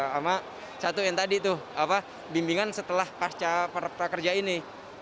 sama satu yang tadi tuh bimbingan setelah pasca prakerja ini